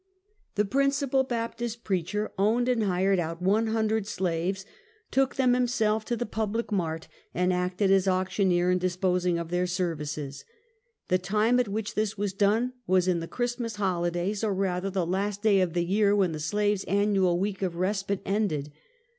The principal Baptist preacher owned and hired out one hundred slaves; took them himself to the the public mart, and acted as auctioneer in disposing of their services. The time at which this was done, was in the Christmas liolidays, or rather the last day of the year, when the slaves' annual week of respite ended.